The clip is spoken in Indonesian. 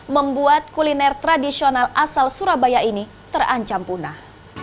membuat kuliner tradisional asal surabaya ini terancam punah